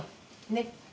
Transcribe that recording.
ねっ？